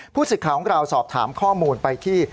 ผู้สิทธิ์ขาวของกล่าวสอบถามข้อมูลไปที่